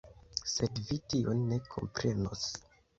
Sed vi tion ne komprenos.